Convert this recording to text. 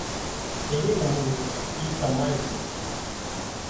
ايوي نموني اي ڪمائي سي